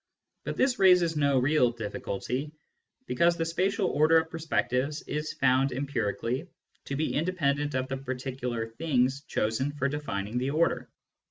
But this raises no real difficulty, because the spatial order of perspectives is found empirically to be independent of the particular " things '* chosen for defining the order.